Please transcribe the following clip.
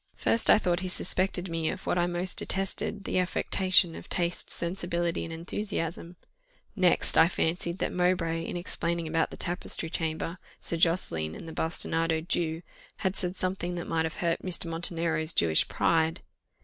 First, I thought he suspected me of what I most detested, the affectation of taste, sensibility, and enthusiasm; next, I fancied that Mowbray, in explaining about the tapestry chamber, Sir Josseline, and the bastinadoed Jew, had said something that might have hurt Mr. Montenero's Jewish pride.